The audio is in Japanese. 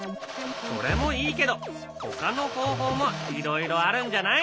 それもいいけどほかの方法もいろいろあるんじゃない？